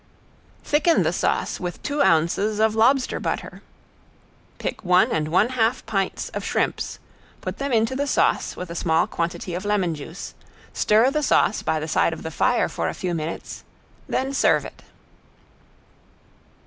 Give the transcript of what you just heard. Thicken the sauce with two ounces of lobster butter. Pick one and one half pints of shrimps, put them into the sauce with a small quantity of lemon juice, stir the sauce by the side of the fire for a few minutes, then serve it.